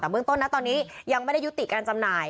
แต่เบื้องต้นนะตอนนี้ยังไม่ได้ยุติการจำหน่าย